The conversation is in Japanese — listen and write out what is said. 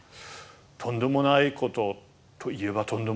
とんでもないことと言えばとんでもないことですね。